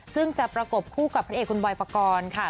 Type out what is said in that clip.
ซึ่งจะประกบคู่กับพระเอกคุณบอยปกรณ์ค่ะ